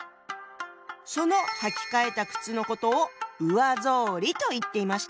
その履き替えた靴のことを「上草履」と言っていました。